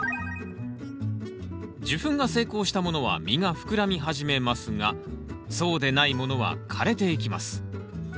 授粉が成功したものは実が膨らみ始めますがそうでないものは枯れていきます。